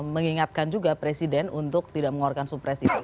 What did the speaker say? mengingatkan juga presiden untuk tidak mengeluarkan supres itu